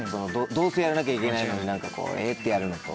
どうせやらなきゃいけないのに「え」ってやるのと。